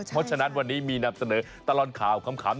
เพราะฉะนั้นวันนี้มีนำเสนอตลอดข่าวขำ